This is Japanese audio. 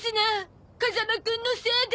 風間くんのせいで！